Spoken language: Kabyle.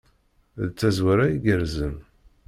D tazwara igerrzen.